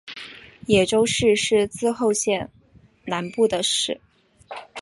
野洲市是滋贺县南部的市。